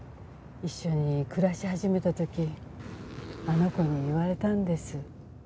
一緒に暮らし始めた時あの子に言われたんです。